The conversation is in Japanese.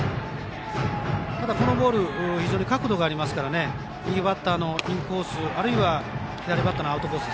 ただ、非常にボールに角度があるので右バッターのインコースあるいは左バッターのアウトコース